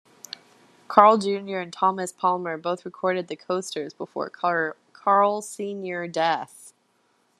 Carl Junior and Thomas Palmer both recorded with The Coasters before Carl Senior death.